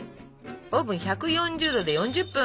オーブンで１４０℃で４０分！